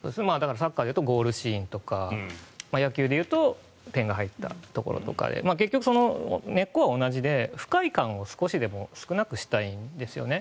サッカーで言うとゴールシーン野球で言うと点が入ったところ結局、根っこは同じで不快感を少しでも少なくしたいんですよね。